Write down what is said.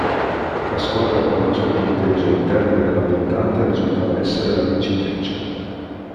La squadra con maggior punteggio al termine della puntata risultava essere la vincitrice.